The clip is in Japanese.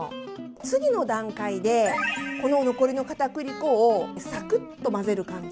次の段階で、この残りのかたくり粉さくっと混ぜる感じ。